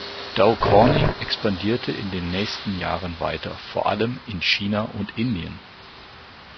Dow Corning expandierte in den nächsten Jahren weiter, vor allem in China und Indien.